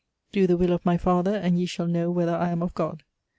Do the will of my Father, and ye shall know whether I am of God.